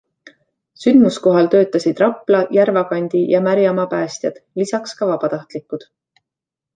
Sündmuskohal töötasid Rapla, Järvakandi ja Märjamaa päästjad, lisaks ka vabatahtlikud.